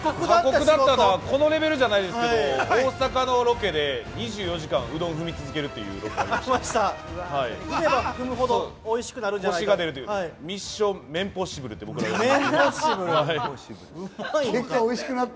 このレベルじゃないですけど、大阪のロケで２４時間うどんを踏み続けるっていうのがありました。